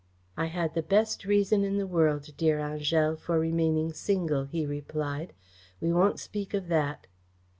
"I had the best reason in the world, dear Angèle, for remaining single," he replied. "We won't speak of that."